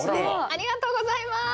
ありがとうございます！